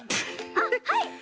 あっはい！